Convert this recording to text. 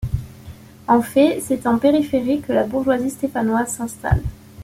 En fait, c'est en périphérie que la bourgeoisie stéphanoise s'installe.